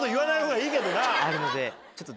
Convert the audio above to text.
あるのでちょっと。